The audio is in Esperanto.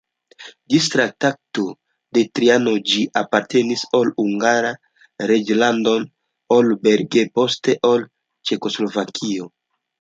Ĝis Traktato de Trianon ĝi apartenis al Hungara reĝlando, al Bereg, poste al Ĉeĥoslovakio.